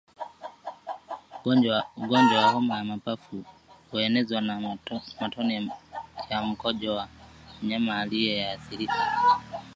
Ugonjwa wa homa ya mapafu huenezwa na matone ya mkojo wa mnyama aliyeathirika